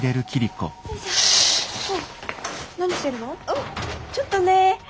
うんちょっとね。